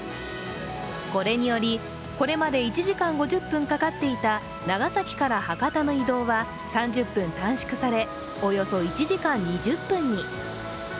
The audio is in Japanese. これにより、これまで１時間５０分かかっていた長崎から博多の移動は３０分短縮されおよそ１時間２０分に。